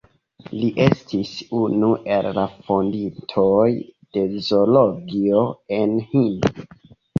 Li estis unu el la fondintoj de zoologio en Hindio.